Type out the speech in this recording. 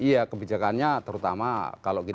iya kebijakannya terutama kalau kita